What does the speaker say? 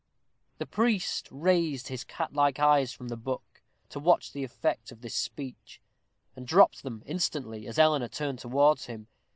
The priest raised his cat like eyes from the book to watch the effect of this speech, and dropped them instantly as Eleanor turned towards him.